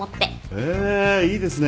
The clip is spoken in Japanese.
へぇいいですね。